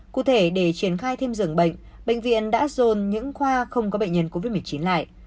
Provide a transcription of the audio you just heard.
cụ thể để triển khai thêm dường bệnh bệnh viện đã dồn những khoa không có bệnh nhân covid một mươi chín lại